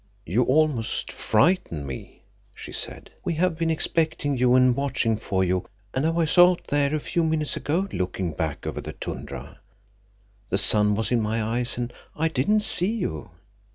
"You almost frightened me," she said. "We have been expecting you and watching for you, and I was out there a few minutes ago looking back over the tundra. The sun was in my eyes, and I didn't see you."